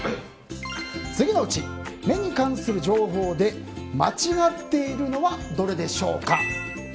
次のうち、目に関する情報で間違っているのはどれでしょうか。